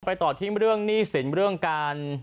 ต่อที่เรื่องหนี้สินเรื่องการ